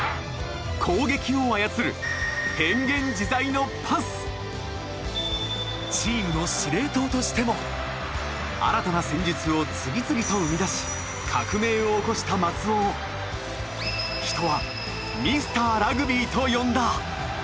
攻撃を操るチームの司令塔としても新たな戦術を次々と生み出し革命を起こした松尾を人は「ミスター・ラグビー」と呼んだ。